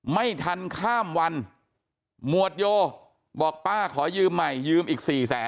ไม่ทันข้ามวันหมวดโยบอกป้าขอยืมใหม่ยืมอีกสี่แสน